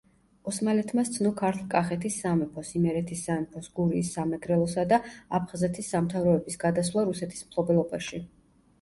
ოსმალეთმა სცნო ქართლ-კახეთის სამეფოს, იმერეთის სამეფოს, გურიის, სამეგრელოსა და აფხაზეთის სამთავროების გადასვლა რუსეთის მფლობელობაში.